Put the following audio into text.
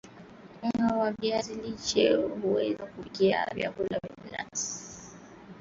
unga wa viazi lishe huweza kupikia vyakula kama donati